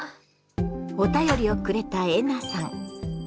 お便りをくれたえなさん。